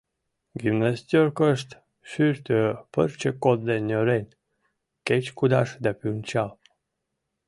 Гимнастёркышт шӱртӧ пырче кодде нӧрен — кеч кудаш да пунчал.